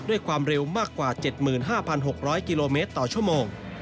ด้วยความเร็วมากกว่า๗๕๖๐๐กิโลเมตรต่อชั่วโมง